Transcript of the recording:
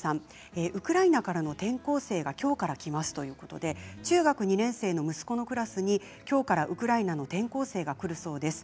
ウクライナからの転校生がきょうから来ますということで中学２年生の息子のクラスにきょうからウクライナの転校生が来るそうです。